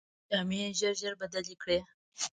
جامې یې ژر ژر بدلې کړې.